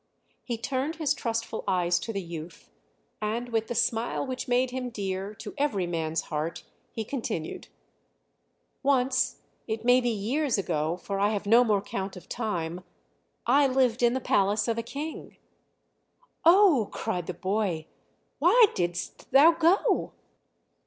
He turned his trustful eyes to the youth, and with the smile which made him dear to every man's heart, he continued: "Once, it may be years ago, for I have no more count of time, I lived in the palace of a king." "Oh!" cried the boy, "why didst thou go?"